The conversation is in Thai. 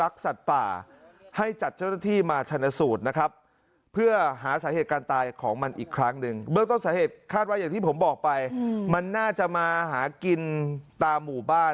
คาดว่าอย่างที่ผมบอกไปมันน่าจะมาหากินตามหมู่บ้าน